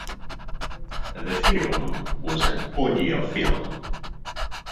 This film was an Odia film.